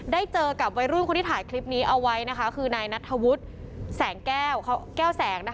เจอกับวัยรุ่นคนที่ถ่ายคลิปนี้เอาไว้นะคะคือนายนัทธวุฒิแสงแก้วแสง